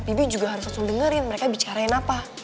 bibi juga harus langsung dengerin mereka bicarain apa